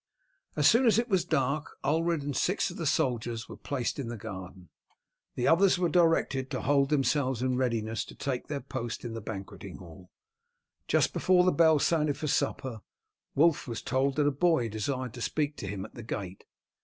As soon as it was dark Ulred and six of the soldiers were placed in the garden; the others were directed to hold themselves in readiness to take their post in the banqueting hall. Just before the bell sounded for supper Wulf was told that a boy desired to speak to him at the gate.